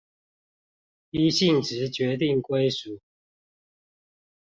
依性質決定歸屬